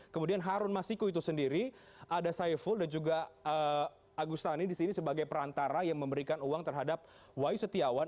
kemudian harun masiku itu sendiri ada saiful dan juga agus tani di sini sebagai perantara yang memberikan uang terhadap wai setiawan